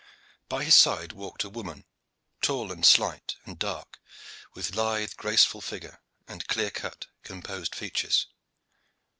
By his side walked a woman, tall and slight and dark, with lithe, graceful figure and clear cut, composed features.